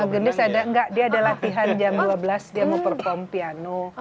gendis ada latihan jam dua belas dia mau perform piano